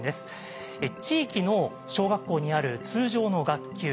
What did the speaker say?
地域の小学校にある通常の学級。